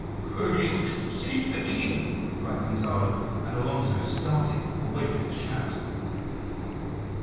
"Good angels save the King!" cried Gonzalo; and Alonso started awake at the shout.